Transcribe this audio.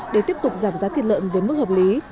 để tiếp tục giảm giá thịt lợn với mức hợp lý